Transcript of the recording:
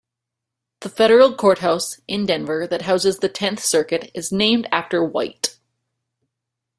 The federal courthouse in Denver that houses the Tenth Circuit is named after White.